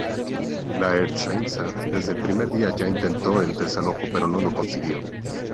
La Ertzaintza desde el primer día ya intentó el desalojo pero no lo consiguió.